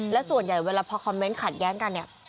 และส่วนใหญ่เวลาพอคอมเมนต์ขัดแย้งกันเนี่ย